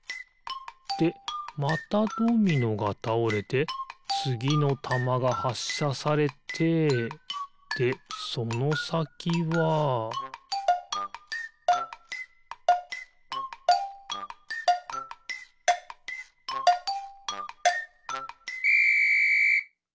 でまたドミノがたおれてつぎのたまがはっしゃされてでそのさきはピッ！